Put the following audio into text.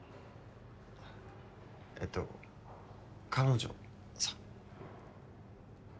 えっと彼女さん。